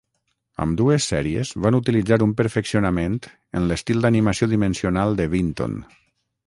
Ambdues sèries van utilitzar un perfeccionament en l'estil d'animació dimensional de Vinton.